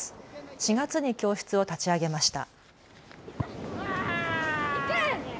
４月に教室を立ち上げました。